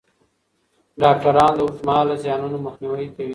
ډاکټران د اوږدمهاله زیانونو مخنیوی کوي.